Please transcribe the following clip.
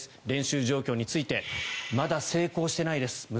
練習状況についてまだ成功していないです